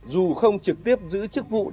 dù không trực tiếp giữ chức vụ đồng pháp